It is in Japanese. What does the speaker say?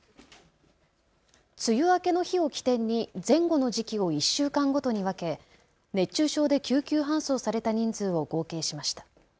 梅雨明けの日を起点に前後の時期を１週間ごとに分け熱中症で救急搬送された人数を合計しました。